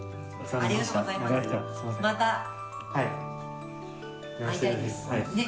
ありがとうございます。ねぇ。